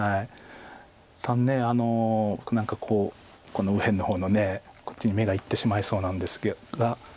一旦何かこう右辺の方のこっちに目がいってしまいそうなんですが。